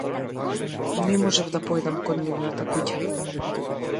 Не можев да појдам кон нивната куќа.